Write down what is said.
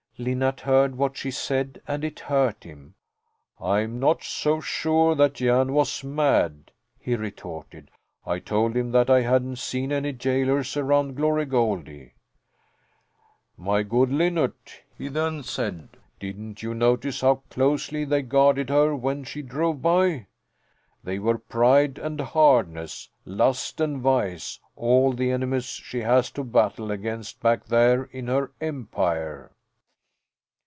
Linnart heard what she said, and it hurt him. "I'm not so sure that Jan was mad!" he retorted. "I told him that I hadn't seen any gaolers around Glory Goldie. 'My good Linnart,' he then said, 'didn't you notice how closely they guarded her when she drove by? They were Pride and Hardness, Lust and Vice, all the enemies she has to battle against back there in her Empire.'"